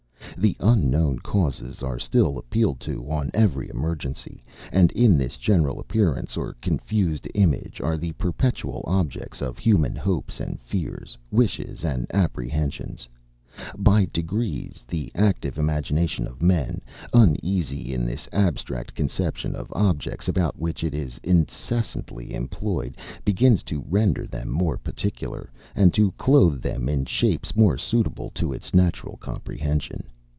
The unknown causes are still appealed to on every emergency; and in this general appearance or confused image, are the perpetual objects of human hopes and fears, wishes and apprehensions. By degrees, the active imagination of men, uneasy in this abstract conception of objects, about which it is incessantly employed, begins to render them more particular, and to clothe them in shapes more suitable to its natural comprehension.